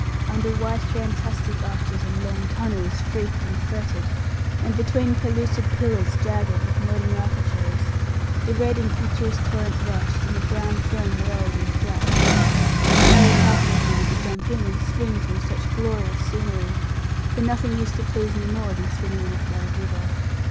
Under white fantastic arches, and long tunnels freaked and fretted, and between pellucid pillars jagged with nodding architraves, the red impetuous torrent rushed, and the brown foam whirled and flashed. I was half inclined to jump in and swim through such glorious scenery; for nothing used to please me more than swimming in a flooded river.